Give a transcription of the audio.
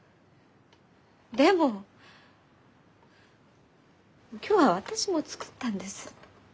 でも今日は私も作ったんです。